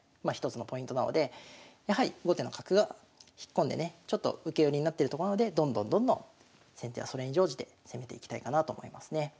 まあ一つのポイントなのでやはり後手の角が引っ込んでねちょっと受け寄りになってるところでどんどんどんどん先手はそれに乗じて攻めていきたいかなと思いますね。